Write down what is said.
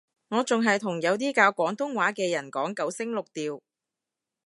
我仲係同有啲教廣東話嘅人講九聲六調